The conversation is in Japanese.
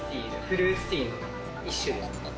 フルーツティーの一種です。